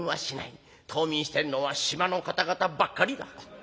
冬眠してんのは島の方々ばっかりだ。